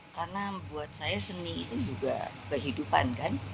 karena buat saya seni itu juga kehidupan kan